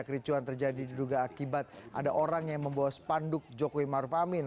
kericuan terjadi diduga akibat ada orang yang membawa spanduk jokowi maruf amin